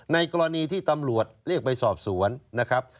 ในกรณีที่ตำรวจเรียกไปสอบสวนนะครับ